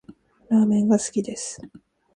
ラーメンが好きです